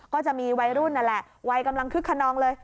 ก็จะมีวัยรุ่นนั่นแหละวัยกำลังคึกขนองเลย